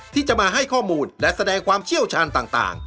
ที่จะมาให้ข้อมูลและแสดงความเชี่ยวชาญต่าง